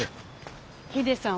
ヒデさん